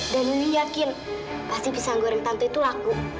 dan wiwi yakin pasti pisang goreng tante itu laku